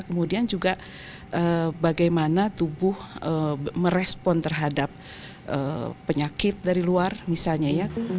kemudian juga bagaimana tubuh merespon terhadap penyakit dari luar misalnya ya